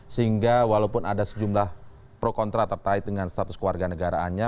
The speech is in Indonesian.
sehingga walaupun ada sejumlah pro kontra terkait dengan status keluarga negaraannya